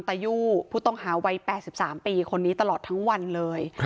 ตายู่ผู้ต้องหาวัย๘๓ปีคนนี้ตลอดทั้งวันเลย